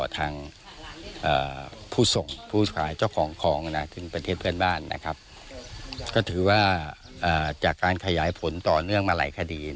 ถึงประเทศเพื่อนบ้านก็ถือว่าจากการขยายผลต่อเนื่องมาหลายคดี